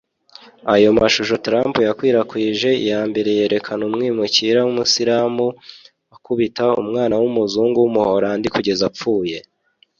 Ayo mashusho Trump yakwirakwije iya mbere yerekana umwimukira w’umuyislamu akubita umwana w’umuhungu w’Umuholandi kugeza apfuye